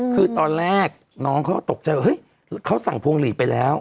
คือตอนแรกน้องเขาก็ตกใจว่าเฮ้ยเขาสั่งพวงหลีดไปแล้ว